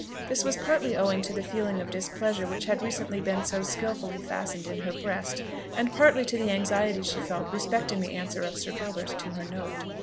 This was partly owing to the feeling of displeasure which had recently been so skilfully fastened in her breast, and partly to the anxiety she felt respecting the answer of Sir Gilbert to her note.